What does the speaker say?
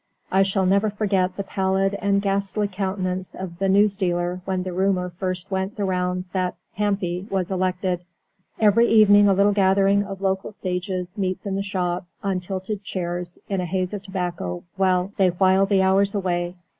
I shall never forget the pallid and ghastly countenance of the newsdealer when the rumour first went the rounds that "Hampy" was elected. Every evening a little gathering of local sages meets in the shop; on tilted chairs, in a haze of tobacco, they while the hours away.